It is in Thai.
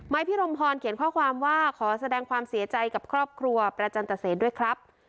พี่รมพรเขียนข้อความว่าขอแสดงความเสียใจกับครอบครัวประจันตเศษด้วยครับ